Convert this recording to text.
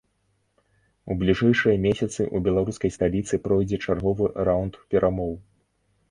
У бліжэйшыя месяцы ў беларускай сталіцы пройдзе чарговы раўнд перамоў.